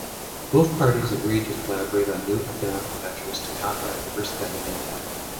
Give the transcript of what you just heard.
Both parties agreed to collaborate on new economic measures to combat overspending and debt.